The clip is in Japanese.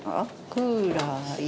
「クーラーや」。